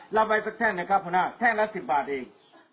รับไว้ซักแท่งนะคะคุณห้าแท่งละ๑๐บาทเอง